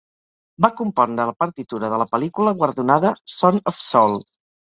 Va compondre la partitura de la pel·lícula guardonada "Son of Saul".